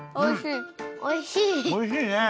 おいしいね。